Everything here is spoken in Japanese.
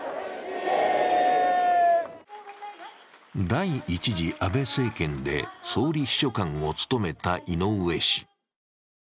第１次安倍政権で総理秘書官を務めた井上氏。